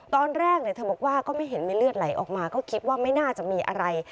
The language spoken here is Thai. ตอนแรกเธอบอกว่าก็ไม่เห็นมีเลือดไหลออกมาก็คิดว่าไม่น่าจะมีอะไร